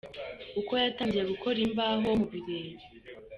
Uko yatangiye gukora imbaho mu birere .